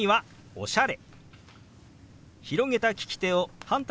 「おしゃれ」。